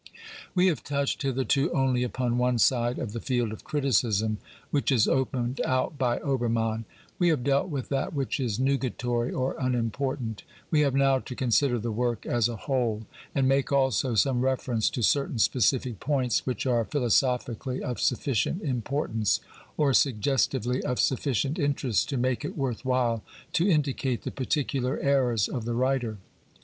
We have touched hitherto only upon one side of the field of criticism which is opened out by Obermann. We have dealt with that which is nugatory or unimportant ; we have now to consider the work as a whole and make also some reference to certain specific points which are philosophically of sufficient importance, or suggestively of sufficient interest, to make it worth while to indicate the particular errors of the writer.